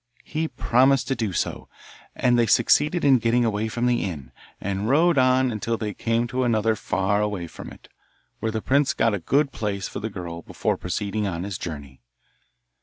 He promised to do so, and they succeeded in getting away from the inn, and rode on until they came to another far away from it, where the prince got a good place for the girl before proceeding on his journey.